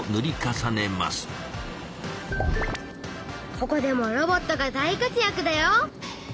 ここでもロボットが大活やくだよ。